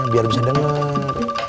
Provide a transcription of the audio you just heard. biar bisa denger